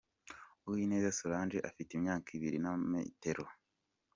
Uwineza Solange afite imyaka , ibiro na metero .